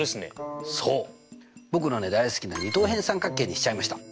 僕の大好きな二等辺三角形にしちゃいました。